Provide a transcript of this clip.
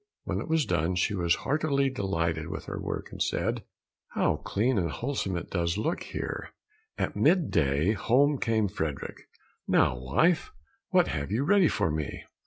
When it was done she was heartily delighted with her work, and said, "How clean and wholesome it does look here!" At mid day home came Frederick: "Now, wife, what have you ready for me?"